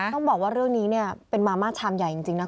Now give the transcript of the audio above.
ต้องบอกว่าเรื่องนี้เป็นมาม่าชามใหญ่จริงนะคะ